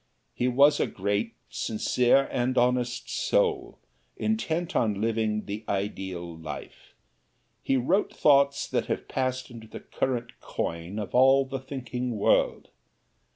He was a great, sincere and honest soul, intent on living the ideal life. He wrote thoughts that have passed into the current coin of all the thinking world.